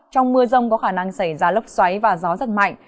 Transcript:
trong mưa rông có khả năng xảy ra lốc xoáy và gió giật mạnh